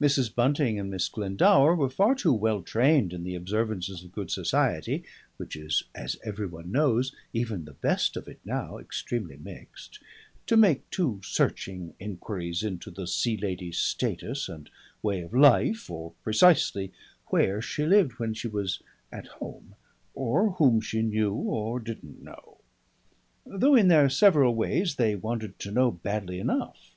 Mrs. Bunting and Miss Glendower were far too well trained in the observances of good society (which is as every one knows, even the best of it now, extremely mixed) to make too searching enquiries into the Sea Lady's status and way of life or precisely where she lived when she was at home, or whom she knew or didn't know. Though in their several ways they wanted to know badly enough.